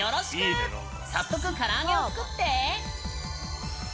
早速唐揚げを作って！